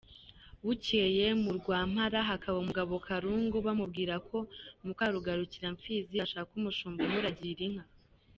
Bukeye mu Rwampara hakaba umugabo Karungu, bamubwira ko muka Rugarukiramfizi ashaka umushumba umuragirira inka.